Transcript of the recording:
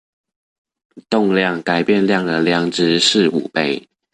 動量改變量的量值是五倍